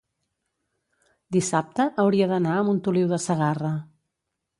dissabte hauria d'anar a Montoliu de Segarra.